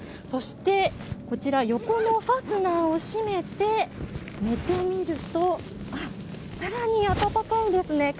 そして、横のファスナーを締めて寝てみると更に暖かいですね。